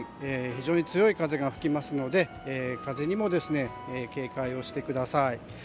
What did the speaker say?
非常に強い風が吹きますので風にも警戒をしてください。